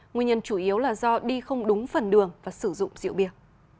nguyên nhân chủ yếu là do đi không đúng phần đường và sử dụng diệu biệt